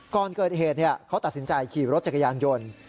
ก่อนเกิดเหตุเขาตัดสินใจขี่รถจักรยานยนต์